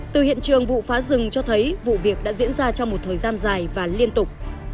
từ hiện trường vụ phá rừng cho thấy vụ việc đã diễn ra trong một thời gian dài và liên tục